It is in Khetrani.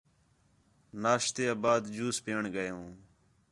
ناشتے بعد جوس پیئن ڳئے ہوں